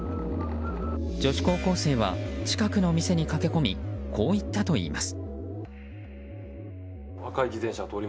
女子高校生は近くの店に駆け込みこう言ったといいます。